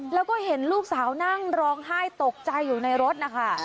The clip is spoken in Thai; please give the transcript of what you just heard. แล้วก็เห็นลูกสาวนั่งร้องไห้ตกใจอยู่ในรถนะคะ